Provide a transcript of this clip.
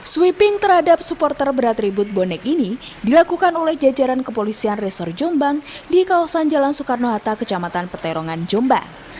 sweeping terhadap supporter beratribut bonek ini dilakukan oleh jajaran kepolisian resor jombang di kawasan jalan soekarno hatta kecamatan peterongan jombang